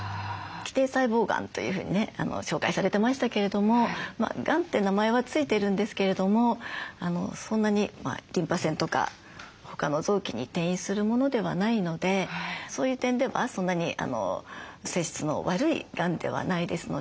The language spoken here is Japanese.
基底細胞がんというふうにね紹介されてましたけれどもがんって名前は付いてるんですけれどもそんなにリンパ腺とか他の臓器に転移するものではないのでそういう点ではそんなに性質の悪いがんではないですので。